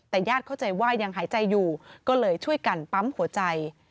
แต่ญาติเข้าใจว่ายังหายใจอยู่ก็เลยช่วยกันปั๊มหัวใจ